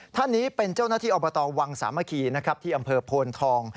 ท่านนี้เป็นเจ้าหน้าที่อบตวังสามะคีนะครับที่อำเภอโพนทอง